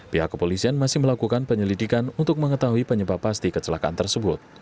pihak kepolisian masih melakukan penyelidikan untuk mengetahui penyebab pasti kecelakaan tersebut